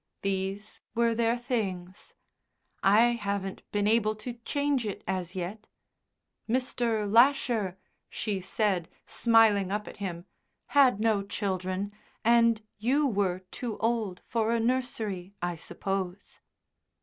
These were their things. I haven't been able to change it as yet. Mr. Lasher," she said, smiling up at him, "had no children, and you were too old for a nursery, I suppose."